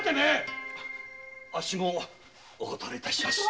あっしもお断りします。